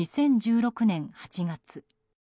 ２０１６年８月。